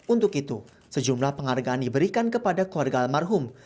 untuk itu sejumlah penghargaan diberikan kepada keluarga almarhum